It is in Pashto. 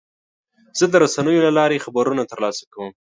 زه د رسنیو له لارې خبرونه ترلاسه کوم.